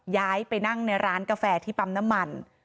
ย้ายไปนั่งในร้านกาแฟที่ปั๊มน้ำมัน